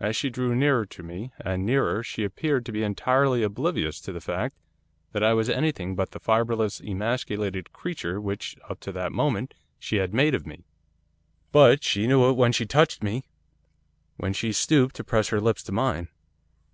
As she drew nearer to me, and nearer, she appeared to be entirely oblivious of the fact that I was anything but the fibreless, emasculated creature which, up to that moment, she had made of me. 'But she knew it when she touched me, when she stooped to press her lips to mine.